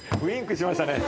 ウインクしました。